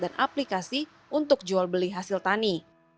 dan aplikasi untuk jual beli hasil tani